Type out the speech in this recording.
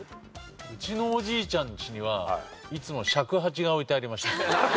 うちのおじいちゃん家にはいつも尺八が置いてありました。